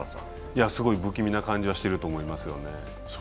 すごい不気味な感じはしていると思いますよね。